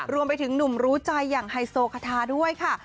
รวมไปถึงหนุ่มรู้ใจอย่างไฮโซคาทาด้วยค่ะ